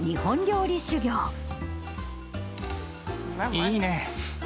いいね。